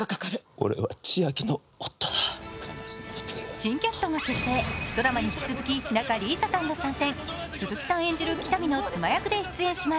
新キャストが決定、ドラマに引き続き仲里依紗さんも参戦。